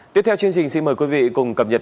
tiếp theo chương trình xin mời quý vị cùng cập nhật